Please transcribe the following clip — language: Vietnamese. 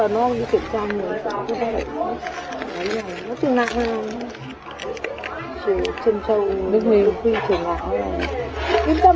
hay là nó cũng là cái trường lạc ấy không